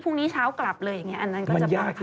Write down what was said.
พี่เช้ากลับเลยอย่างนี้อันนั้นก็จะปล่อยไปอีกวัน